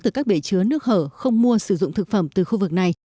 từ các bể chứa nước hở không mua sử dụng thực phẩm từ khu vực này